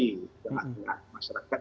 di tengah tengah masyarakat